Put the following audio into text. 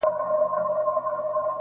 o پر غوولي کوس سندري نه ويل کېږي٫